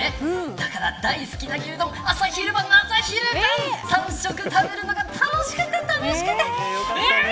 だから大好きな牛丼朝昼晩、朝昼晩３食、食べるのが楽しくて楽しくて。